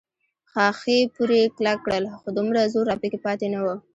ښاخې پورې کلک کړل، خو دومره زور راپکې پاتې نه و.